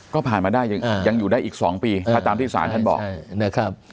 ก็ผ่านมาได้ยังอยู่ได้อีก๒ปีถ้าตามที่ศาลท่านบอกนะครับ